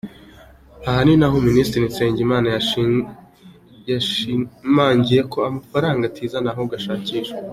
Aha kandi ni naho Minisitiri Nsengimana yashimangiye ko amafaranga atizana, ahubwo ashakishwa.